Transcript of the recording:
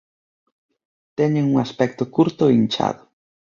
Teñen un aspecto curto e inchado.